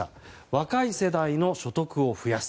若い世代の所得を増やす。